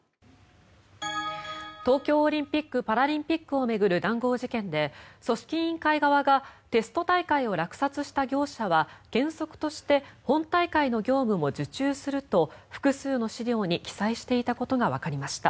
東京オリンピック・パラリンピックを巡る談合事件で組織委員会側がテスト大会を落札した業者は原則として本大会の業務も受注すると複数の資料に記載していたことがわかりました。